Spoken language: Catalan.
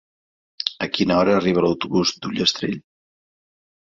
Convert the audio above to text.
A quina hora arriba l'autobús d'Ullastrell?